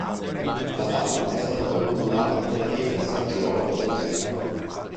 La salma è stata poi tumulata nella chiesa di San Girolamo della Carità.